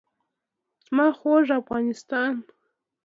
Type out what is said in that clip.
زما خوږ افغانستان.